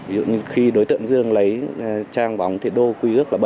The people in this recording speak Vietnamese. ví dụ như khi đối tượng dương lấy trang bóng thiện đô quy ước là bảy